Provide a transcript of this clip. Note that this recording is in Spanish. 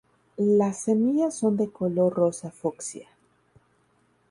Las semillas son de color rosa fucsia.